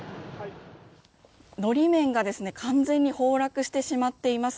法面が完全に崩落してしまっています。